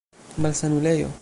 malsanulejo